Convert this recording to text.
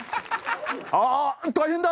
ああ大変だ！